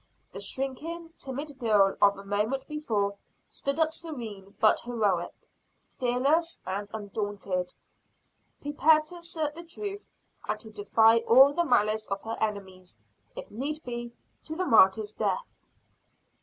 The shrinking, timid girl of a moment before stood up serene but heroic, fearless and undaunted; prepared to assert the truth, and to defy all the malice of her enemies, if need be, to the martyr's death.